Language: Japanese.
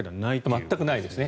全くないですね。